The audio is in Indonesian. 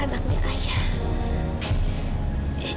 amira anaknya ayah